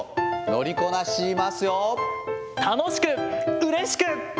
楽しく、うれしく。